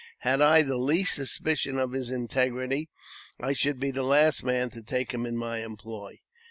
Had I the least suspicion of his integrity, I should be the last man to take him in my employ."